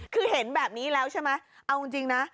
คือเห็นแบบนี้แล้วใช่ไหมเอาจริงนะ